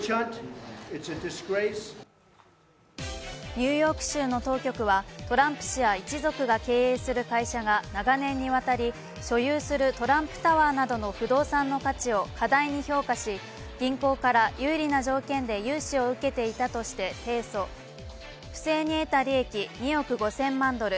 ニューヨーク州の当局はトランプ氏や一族が経営する会社が長年にわたり所有するトランプタワーなどの不動産の価値を過大に評価し、銀行から有利な条件で融資を受けていたとして提訴、不正に得た利益２億５０００万ドル